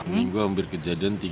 minggu hampir kejadian